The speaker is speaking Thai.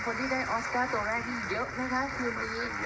คนที่ได้ออสคาร์ตัวแรกที่เยอะนะครับ